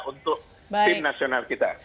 untuk tim nasional kita